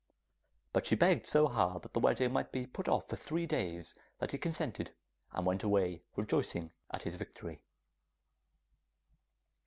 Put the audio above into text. But she begged so hard that the wedding might be put off for three days, that he consented, and went away rejoicing at his victory.